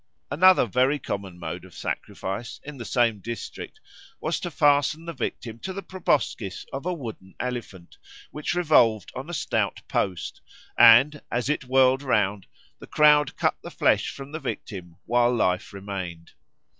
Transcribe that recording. Another very common mode of sacrifice in the same district was to fasten the victim to the proboscis of a wooden elephant, which revolved on a stout post, and, as it whirled round, the crowd cut the flesh from the victim while life remained.